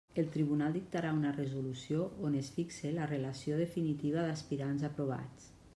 El tribunal dictarà una resolució on es fixe la relació definitiva d'aspirants aprovats.